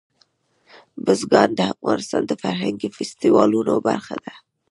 بزګان د افغانستان د فرهنګي فستیوالونو برخه ده.